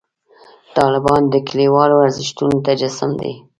طالبان د کلیوالو ارزښتونو تجسم دی.